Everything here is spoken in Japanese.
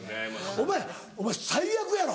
お前お前最悪やろ。